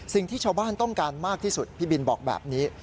สิ่งที่ชาวบ้านต้องการมากที่สุดพี่บินบอกแบบนี้